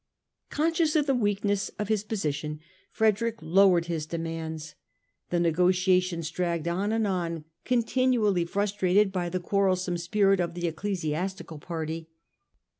Conscious of the weakness of his position, Frederick lowered his demands. The negotiations dragged on and on, continually frustrated by the quarrelsome spirit of the ecclesiastical party.